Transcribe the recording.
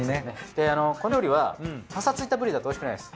でこの料理はパサついたブリだとおいしくないです。